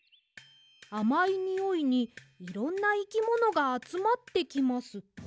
「あまいにおいにいろんないきものがあつまってきます。